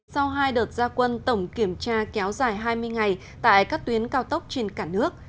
sau hai đợt gia quân tổng kiểm tra kéo dài hai mươi ngày tại các tuyến cao tốc trên cả nước